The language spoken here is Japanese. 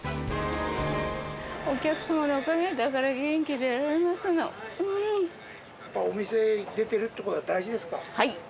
お客様のおかげ、だから元気お店出てるってことは大事ではい。